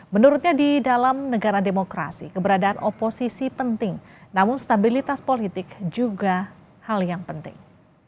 menurutnya di dalam negara demokrasi keberadaan oposisi penting namun stabilitas politik juga hal yang penting